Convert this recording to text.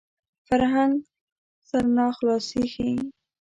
فرهنګ سرناخلاصي ښيي